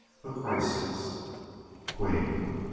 A CRISIS. _Queen.